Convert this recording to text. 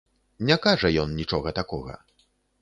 Не, кажа ён, нічога такога.